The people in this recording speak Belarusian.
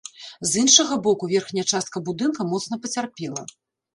З іншага боку, верхняя частка будынка моцна пацярпела.